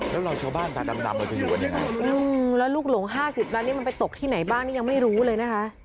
แล้วเราชาวบ้านตาดำเราจะอยู่กันยังไงแล้วลูกหลง๕๐ล้านนี่มันไปตกที่ไหนบ้างนี่ยังไม่รู้เลยนะคะ